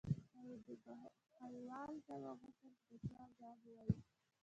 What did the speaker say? هارون د بهلول نه وغوښتل چې د سوال ځواب ووایي.